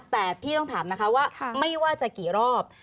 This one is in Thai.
แต่พี่ต้องถามนะคะว่าไม่ว่าจะกี่รอบ